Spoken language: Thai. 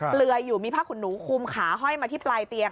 เปลือยอยู่มีผ้าขุนหนูคุมขาห้อยมาที่ปลายเตียง